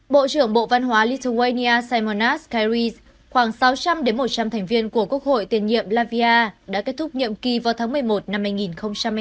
bộ trưởng bộ văn hóa lithuania simonas kairis khoảng sáu trăm linh một trăm linh thành viên của quốc hội tiền nhiệm latvia đã kết thúc nhiệm kỳ vào tháng một mươi một năm hai nghìn một mươi hai